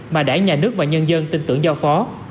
mà đảng nhà nước và nhân dân tin tưởng giao phó